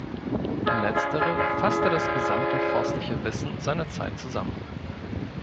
Letztere fasste das gesamte forstliche Wissen seiner Zeit zusammen.